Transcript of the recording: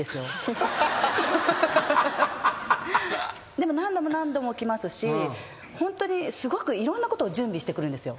でも何度も何度も来ますしホントにすごくいろんなことを準備してくるんですよ。